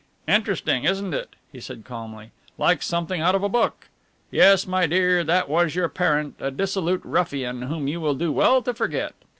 "Interesting, isn't it?" he said calmly, "like something out of a book. Yes, my dear, that was your parent, a dissolute ruffian whom you will do well to forget.